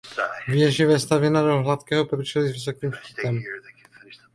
Věž je vestavěna do hladkého průčelí s vysokým štítem.